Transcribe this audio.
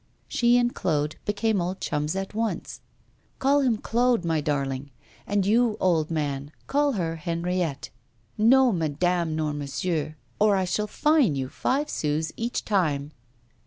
She and Claude became old chums at once. 'Call him Claude, my darling. And you, old man, call her Henriette. No madame nor monsieur, or I shall fine you five sous each time.